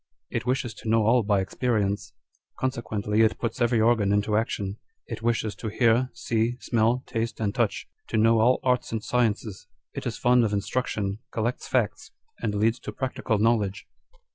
It wishes to know all by experience ; consequently it puts every organ into action : it wishes to hear, see, smell, taste, and touch ; to know all arts and sciences ; it is fond of instrac tion, collects facts, and leads to practical knowledge."